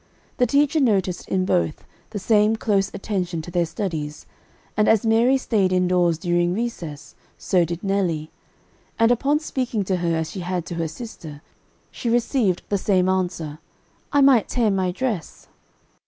The teacher noticed in both, the same close attention to their studies, and as Mary stayed indoors during recess, so did Nelly; and upon speaking to her as she had to her sister, she received the same answer, "I might tear my dress."